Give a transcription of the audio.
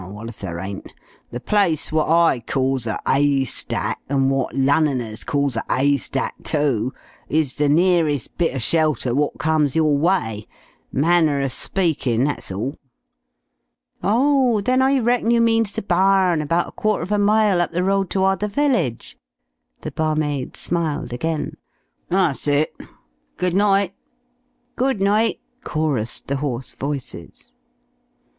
Well, wot if there ain't? The place wot I calls a 'aystack an' wot Lunnoners calls a 'aystack too is the nearest bit of shelter wot comes your way. Manner of speakin', that's all." "Oh! Then I reckon you means the barn about a quarter of a mile up the road toward the village?" The barmaid smiled again. "That's it. Good night." "Good night," chorused the hoarse voices.